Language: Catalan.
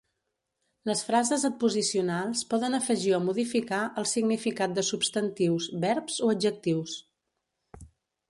Les frases adposicionals poden afegir o modificar el significat de substantius, verbs o adjectius.